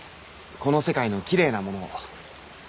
この世界の奇麗なものを。